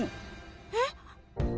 えっ？